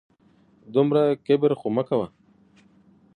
دومره کبر خو مه کوه